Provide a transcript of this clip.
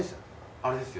あれですよ